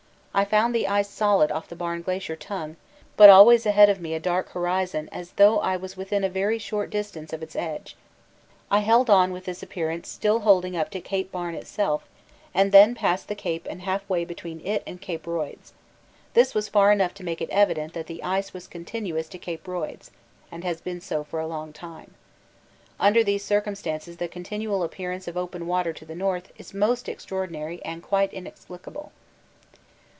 I found the ice solid off the Barne Glacier tongue, but always ahead of me a dark horizon as though I was within a very short distance of its edge. I held on with this appearance still holding up to C. Barne itself and then past that Cape and half way between it and C. Royds. This was far enough to make it evident that the ice was continuous to C. Royds, and has been so for a long time. Under these circumstances the continual appearance of open water to the north is most extraordinary and quite inexplicable.